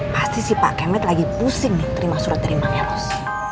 pasti si pak kemet lagi pusing nih terima surat suratnya harus